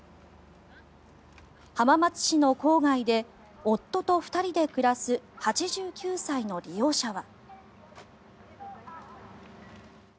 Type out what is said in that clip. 浜松市の郊外で夫と２人で暮らす８９歳の利用者は。